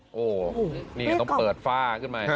โอ้โหนี่ต้องเปิดฝ้าขึ้นไป